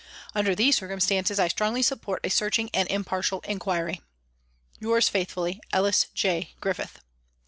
" Under these circumstances, I strongly support a searching and impartial inquiry. ..," Yours faithfully, " ELLIS J. GRIFFITH."